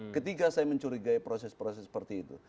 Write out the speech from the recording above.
ketika saya mencurigai proses proses seperti itu